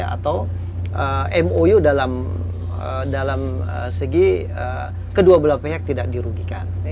atau mou dalam segi kedua belah pihak tidak dirugikan